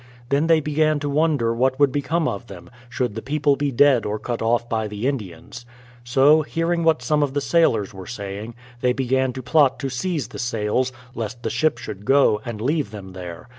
They then began to wonder what would become of them, should the people be dead or cut off by the Indians. So, hearing what some of the sailors were saying, they 90 BRADFORD'S HISTORY OF began to plot to seize the sails, lest the ship should go, and leave them there.